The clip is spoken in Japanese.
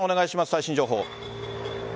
最新情報。